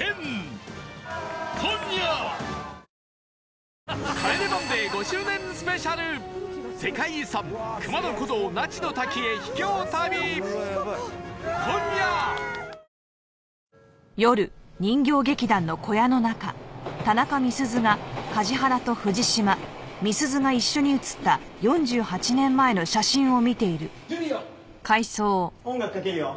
音楽かけるよ。